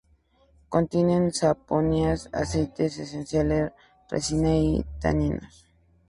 Contienen saponinas, aceite esencial, resinas y taninos.